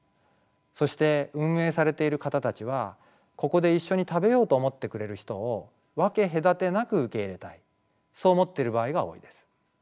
そして運営されている方たちはここで一緒に食べようと思ってくれる人を分け隔てなく受け入れたいそう思っている場合が多いです。